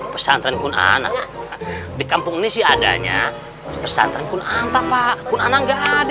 pesantren kun ana di kampung ini sih adanya pesantren kun ana pak kun ana gak ada